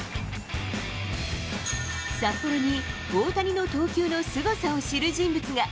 札幌に、大谷の投球のすごさを知る人物が。